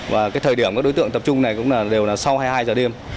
và cái thời điểm các đối tượng tập trung này cũng đều là sau hai mươi hai h đêm